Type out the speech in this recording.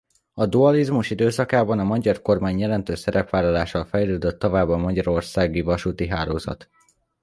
A dualizmus időszakában a magyar kormány jelentős szerepvállalásával fejlődött tovább a magyarországi vasúti hálózat.